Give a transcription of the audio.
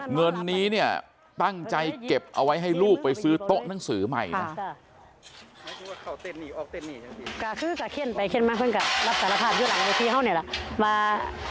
เงินนี้เนี่ยตั้งใจเก็บเอาไว้ให้ลูกไปซื้อโต๊ะหนังสือใหม่นะ